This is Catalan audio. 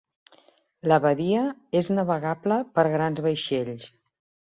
La badia és navegable per grans vaixells.